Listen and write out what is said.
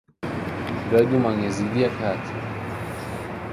دوای دوو مانگ یەزیدییەک هات